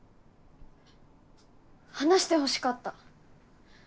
話してほしかった。